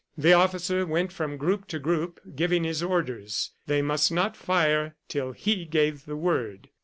The officer went from group to group giving his orders. They must not fire till he gave the word.